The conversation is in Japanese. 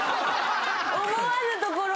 思わぬところで。